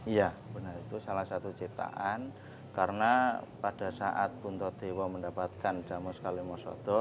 iya benar itu salah satu ciptaan karena pada saat punta dewa mendapatkan jamus kalimah sada